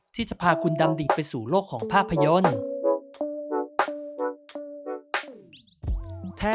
ที่จะพาคุณดำดิ่งไปสู่โลกของภาพยนตร์